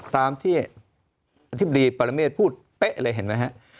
ตามที่ทิบดีปรเมตรพูดเป๊ะเลยเห็นไหมครับ